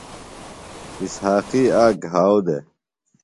اِسحاقی آک گھاؤ دےۡ۔